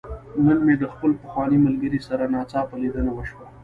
نن مې د خپل پخواني ملګري سره ناڅاپه ليدنه وشوه.